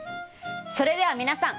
それでは皆さん